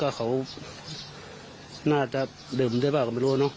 ก็เขาน่าจะดื่มได้บ้างก็ไม่รู้เนาะ